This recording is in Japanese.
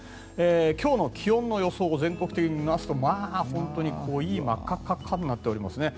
今日の気温の予想を全国的に見ますと本当に濃い真っ赤っかになっていますね。